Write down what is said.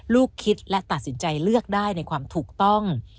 ลูกคิดและตัดสินใจเลือกได้ในความถูกต้อง